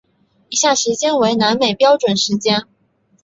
以下时间为南美标准时间。